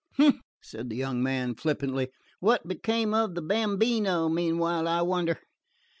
"H'm," said the young man flippantly, "what became of the Bambino meanwhile, I wonder?"